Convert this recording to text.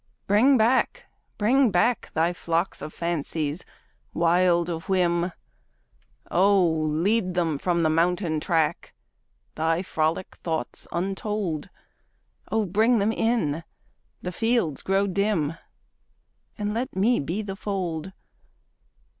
Bring back, bring back Thy flocks of fancies, wild of whim. Oh lead them from the mountain track Thy frolic thoughts untold. Oh bring them in the fields grow dim And let me be the fold.